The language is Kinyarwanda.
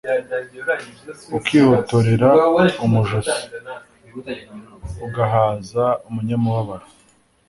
” “ukihotorera umushonji, ugahaza umunyamubabaro